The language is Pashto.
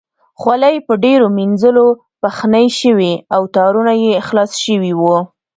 خولۍ په ډېرو مینځلو پښنې شوې او تارونه یې خلاص شوي وو.